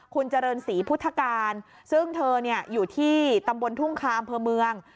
คุณเจริญศรีพุทธการซึ่งเธออยู่ที่ตำบลทุ่งคาอำเภอเมือง